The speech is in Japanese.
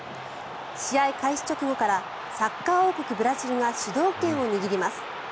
試合開始直後からサッカー王国ブラジルが主導権を握ります。